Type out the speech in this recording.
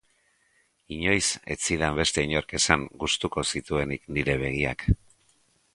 Inoiz ez zidan beste inork esan gustuko zituenik nire begiak.